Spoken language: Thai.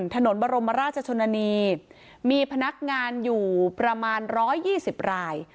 ถนนบรมราชชนนีตมีพนักงานอยู่ประมาณร้อยยี่สิบราย